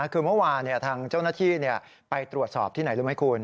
คือเมื่อวานทางเจ้าหน้าที่ไปตรวจสอบที่ไหนรู้ไหมคุณ